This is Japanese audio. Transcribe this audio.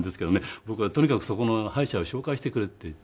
僕はとにかくそこの歯医者を紹介してくれって言って。